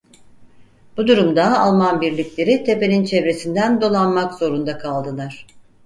Bu durumda Alman birlikleri tepenin çevresinden dolanmak zorunda kaldılar.